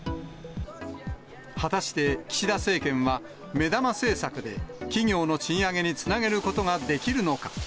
果たして岸田政権は、目玉政策で、企業の賃上げにつなげることができるのか。